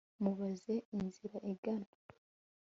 Mubaze inzira igana